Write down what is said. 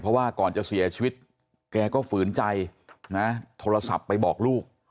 เพราะว่าก่อนจะเสียชีวิตแกก็ฝืนใจนะโทรศัพท์ไปบอกลูก